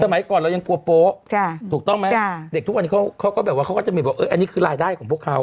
ก่อนเรายังกลัวโป๊ะถูกต้องไหมเด็กทุกวันนี้เขาก็แบบว่าเขาก็จะมีบอกอันนี้คือรายได้ของพวกเขา